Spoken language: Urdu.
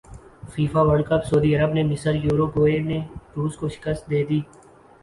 فیفا ورلڈ کپ سعودی عرب نے مصر یوروگوئے نے روس کو شکست دیدی